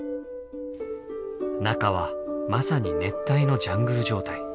中はまさに熱帯のジャングル状態。